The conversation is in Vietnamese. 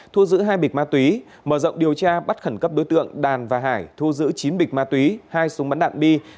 thu giữ hai bịch ma túy mở rộng điều tra bắt khẩn cấp đối tượng đàn và hải thu giữ chín bịch ma túy hai súng bắn đạn bi